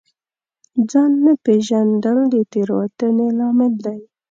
ځان نه پېژندل د تېروتنې لامل دی.